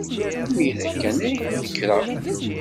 Imir-a kan ay d-nekreɣ.